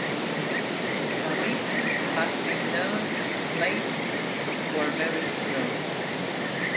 Caripe has been known as a place where berries grow.